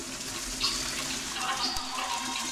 روښانه لیکنه د غلط فهمۍ مخه نیسي.